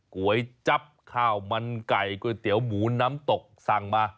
ก๋วยจับข้าวมันไก่ก๋วยเตี๋ยวหมูน้ำตกสั่งมา